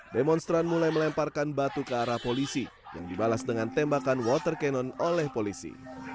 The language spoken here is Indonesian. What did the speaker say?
demonstran mulai melemparkan batu ke arah polisi yang dibalas dengan tembakan water cannon oleh polisi